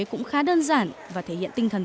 cũng khá đơn giản và thể hiện tinh thần